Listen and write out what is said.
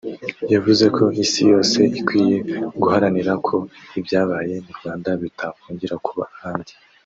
yavuze ko isi yose ikwiye guharanira ko ibyabaye mu Rwanda bitakongera kuba ahandi